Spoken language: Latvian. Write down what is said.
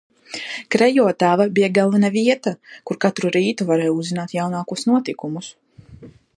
Krejotava bija galvenā vieta, kur katru rītu varēja uzzināt jaunākos notikumus.